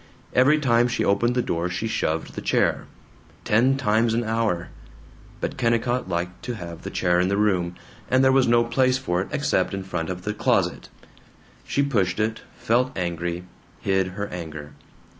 Every time she opened the door she shoved the chair. Ten times an hour. But Kennicott liked to have the chair in the room, and there was no place for it except in front of the closet. She pushed it, felt angry, hid her anger.